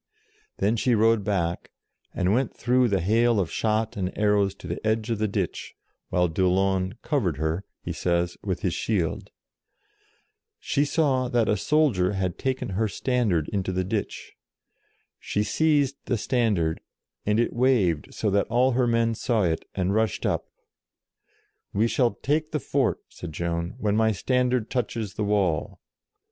Then she rode back, and went through the hail of shot and arrows to the edge of the ditch, while d'Aulon covered her, he says, with his shield. She saw 46 JOAN OF ARC that a soldier had taken her standard into the ditch. She seized the standard, and it waved so that all her men saw it, and rushed up; "we shall take the fort," said Joan, " when my standard touches the wall."